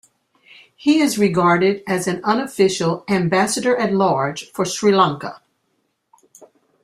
He is regarded as an unofficial "Ambassador-at-Large for Sri Lanka".